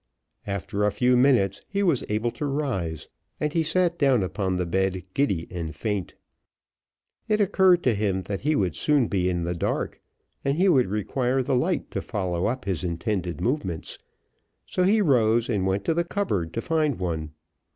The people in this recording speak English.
After a few minutes he was able to rise, and he sat down upon the bed giddy and faint. It occurred to him that he would soon be in the dark, and he would require the light to follow up his intended movements, so he rose, and went to the cupboard to find one.